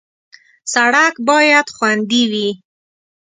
سړک باید خوندي وي.